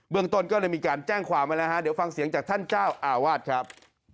ต้นก็เลยมีการแจ้งความไว้แล้วฮะเดี๋ยวฟังเสียงจากท่านเจ้าอาวาสครับ